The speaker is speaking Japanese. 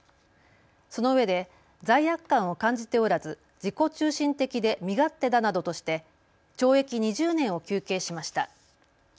そのうえで罪悪感を感じておらず自己中心的で身勝手だなどとして懲役２０年を求刑しました。